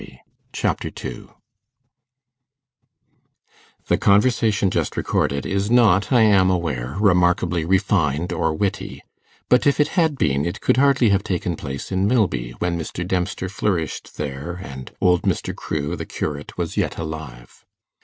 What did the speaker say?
Chapter 2 The conversation just recorded is not, I am aware, remarkably refined or witty; but if it had been, it could hardly have taken place in Milby when Mr. Dempster flourished there, and old Mr. Crewe, the curate, was yet alive.